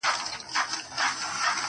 داسي کوټه کي یم چي چارطرف دېوال ته ګورم ~